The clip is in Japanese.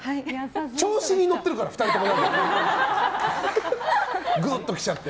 調子に乗ってるから、２人とも。グッときちゃって。